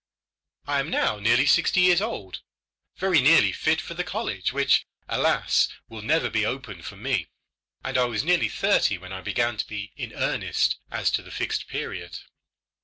I am now nearly sixty years old, very nearly fit for the college which, alas! will never be open for me, and I was nearly thirty when I began to be in earnest as to the Fixed Period.